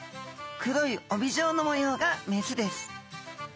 黒い帯状の模様がメスです。